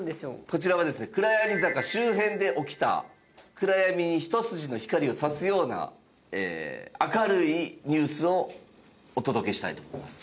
こちらはですね暗闇坂周辺で起きた暗闇に一筋の光が差すような明るいニュースをお届けしたいと思います。